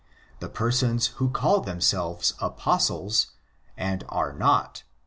The persons who call them selves Apostles and are not (ii.